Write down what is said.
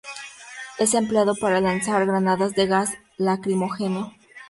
Es empleado para lanzar granadas de gas lacrimógeno.